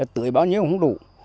tưới bao nhiêu cũng không đủ